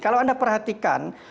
kalau anda perhatikan